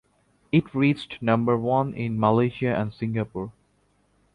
It reached number one in Malaysia and Singapore.